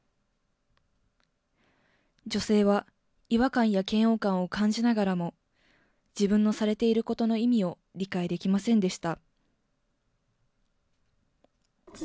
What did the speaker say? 女性は、違和感や嫌悪感を感じながらも、自分のされていることの意味を理解できませんでした。